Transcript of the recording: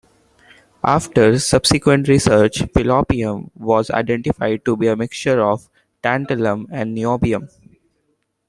After subsequent research pelopium was identified to be a mixture of tantalum and niobium.